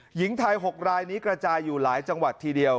หญิงไทย๖รายนี้กระจายอยู่หลายจังหวัดทีเดียว